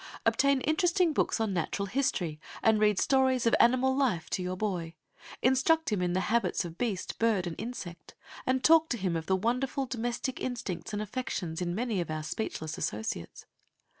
Obtain interesting books on natural history and read stories of animal life to your boy. Instruct him in the habits of beast, bird, and insect, and talk to him of the wonderful domestic instincts and affections in many of our speechless associates.